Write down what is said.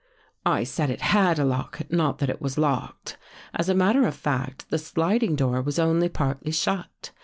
"" I said it had a lock, not that it was locked. As a matter of fact, the sliding door was only partly shut.